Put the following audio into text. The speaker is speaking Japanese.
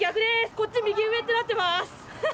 こっち、右上ってなってます。